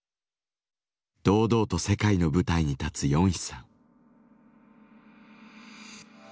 堂々と世界の舞台に立つヨンヒさん。